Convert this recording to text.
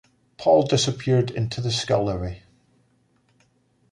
Paul disappeared into the scullery.